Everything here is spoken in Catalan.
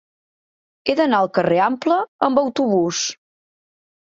He d'anar al carrer Ample amb autobús.